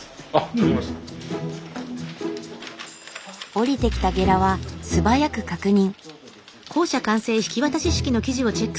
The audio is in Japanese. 下りてきたゲラは素早く確認。